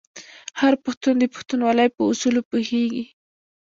هر پښتون د پښتونولۍ په اصولو پوهیږي.